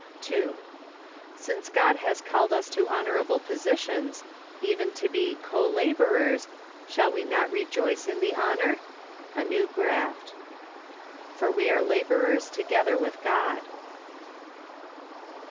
2. Since God has called us to honorable positions, even to be " co laborers," shall we not rejoice in the honor ? A New Graft. " For ice are laborers together icith God."